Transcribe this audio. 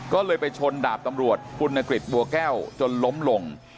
ก็เลยไปชนดาบตำรวจคุณนคริสต์บัวแก้วจนล้มหลง